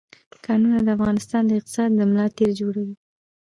کانونه د افغانستان د اقتصاد ملا تیر جوړوي.